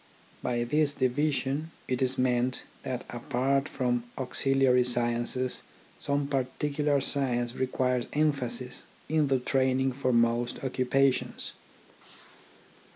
By this division, it is meant that apart from auxiliary sciences some particular science re quires emphasis in the training for most occu pations.